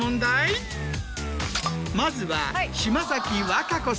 まずは。